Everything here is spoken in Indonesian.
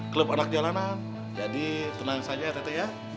klub anak jalanan jadi tenang saja ya teteh ya